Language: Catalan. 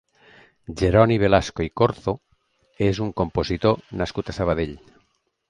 Jeroni Velasco i Corzo és un compositor nascut a Sabadell.